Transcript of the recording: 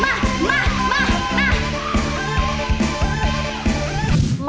มามามา